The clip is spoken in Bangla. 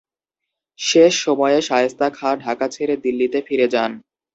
শেষ সময়ে শায়েস্তা খাঁ ঢাকা ছেড়ে দিল্লিতে ফিরে যান।